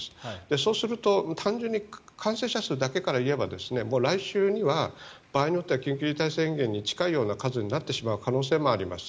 そうすると単純に感染者数だけから言えばもう来週には場合によっては緊急事態宣言に近いような数になってしまう可能性もあります。